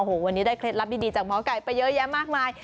โอ้โหวันนี้ได้เคล็ดลับดีจากหมอไก่ไปเยอะแยะมากมาย